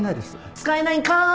使えないんかーい！